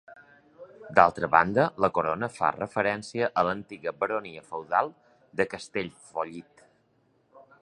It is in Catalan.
D'altra banda, la corona fa referència a l'antiga baronia feudal de Castellfollit.